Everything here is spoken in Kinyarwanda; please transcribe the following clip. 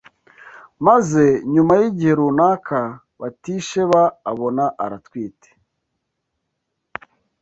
maze nyuma y’igihe runaka Batisheba abona aratwite